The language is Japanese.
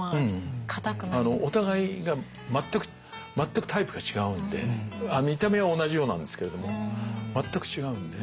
お互いが全くタイプが違うんで見た目は同じようなんですけれども全く違うんで。